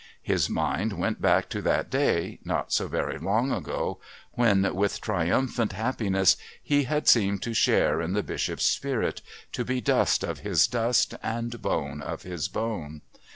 His mind went back to that day, not so very long ago, when, with triumphant happiness, he had seemed to share in the Bishop's spirit, to be dust of his dust, and bone of his bone.